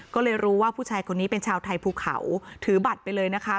ก็เลยรู้ว่าผู้ชายคนนี้เป็นชาวไทยภูเขาถือบัตรไปเลยนะคะ